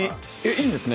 いいんですね？